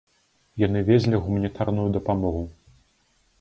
Яны везлі гуманітарную дапамогу.